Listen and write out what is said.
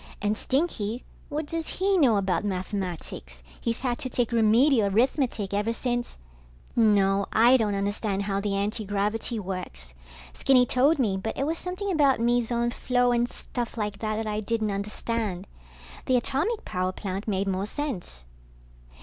And Stinky, what does he know about mathematics? He's had to take Remedial Arithmetic ever since ...No, I don't understand how the antigravity works. Skinny told me, but it was something about meson flow and stuff like that that I didn't understand. The atomic power plant made more sense.